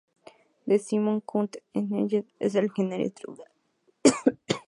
DeSimone Consulting Engineers es el ingeniero estructural del proyecto.